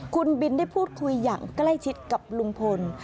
คุณบินได้พูดคุยอย่างใกล้ชิดกับลุงพล